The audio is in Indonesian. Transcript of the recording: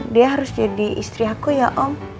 dia harus jadi istri aku ya om